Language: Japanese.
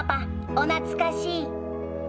お懐かしい。